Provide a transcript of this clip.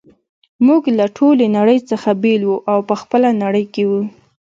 موږ له ټولې نړۍ څخه بیل وو او په خپله نړۍ کي وو.